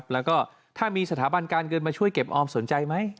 แล้วก็ถ้ามีสถาบันการเงินมาช่วยเก็บออมสนใจไหม